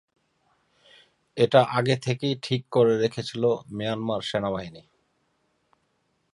এটা আগে থেকেই ঠিক করে রেখেছিল মিয়ানমার সেনাবাহিনী।